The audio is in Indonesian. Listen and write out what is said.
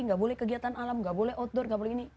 tidak boleh kegiatan alam tidak boleh outdoor tidak boleh ini